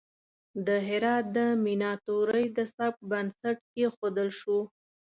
د هرات د میناتوری د سبک بنسټ کیښودل شو.